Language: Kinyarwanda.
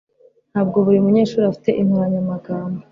Ntabwo buri munyeshuri afite inkoranyamagambo.